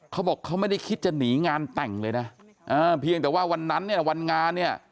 เขาบอกเขาไม่ได้คิดจะหนีงานแต่งเลยนะเออเพียงแต่ว่าวันนั้นเนี่ย